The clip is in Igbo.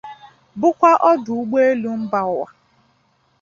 bụkwa ọdụ ụgbọelu mba ụwa